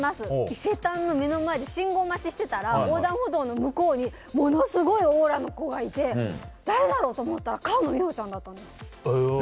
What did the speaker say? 伊勢丹の目の前で信号待ちしてたら横断歩道の向こうにものすごいオーラの子がいて誰だろうと思ったら菅野美穂ちゃんだったんです。